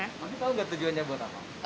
tapi tau nggak tujuannya buat apa